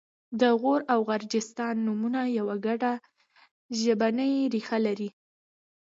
د غور او غرجستان نومونه یوه ګډه ژبنۍ ریښه لري